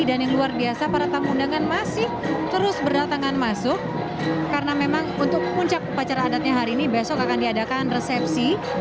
dan yang luar biasa para tamu undangan masih terus berdatangan masuk karena memang untuk puncak pacar adatnya hari ini besok akan diadakan resepsi